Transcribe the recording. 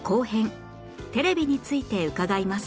テレビについて伺います